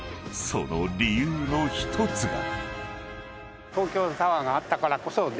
［その理由の１つが］